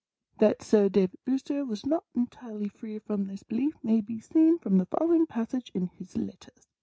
That Sir David Brewster was not entirely free from this belief may be seen from the following passage in his 'Let ters.'